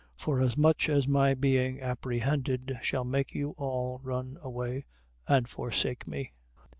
.Forasmuch as my being apprehended shall make you all run away and forsake me.